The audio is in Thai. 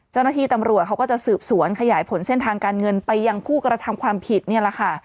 เจ้าหน้าที่ตำรวจเขาก็จะสืบสวนขยายผลเส้นทางการเงินไปยังผู้กระทำความผิดนี่แหละค่ะ